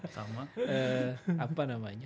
saya juga belum pak